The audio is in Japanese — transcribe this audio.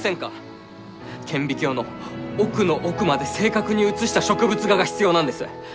顕微鏡の奥の奥まで正確に写した植物画が必要なんです！